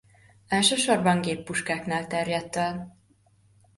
Elsősorban géppuskáknál terjedt el.